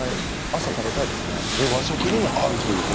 朝、食べたいですね。